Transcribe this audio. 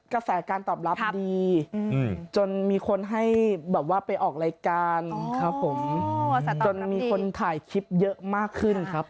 กระแสการตอบรับดีจนมีคนให้แบบว่าไปออกรายการครับผมจนมีคนถ่ายคลิปเยอะมากขึ้นครับ